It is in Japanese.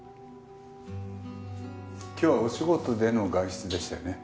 今日はお仕事での外出でしたよね？